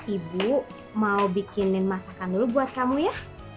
ibu mau bikinin masakan dulu buat kamu ya